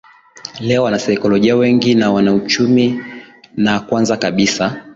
Leo wanasaikolojia wengi na wachumi na kwanza kabisa